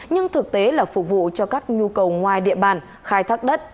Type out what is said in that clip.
nhưng thực tế là phục vụ cho các nhu cầu ngoài địa bàn khai thác đất